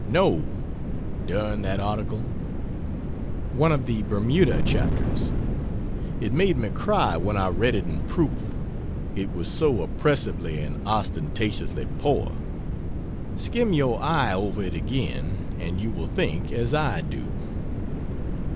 No, dern that article, [One of the Bermuda chapters.] it made me cry when I read it in proof, it was so oppressively and ostentatiously poor. Skim your eye over it again and you will think as I do.